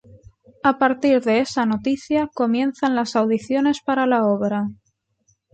A partir de esa noticia comienzan las audiciones para la obra.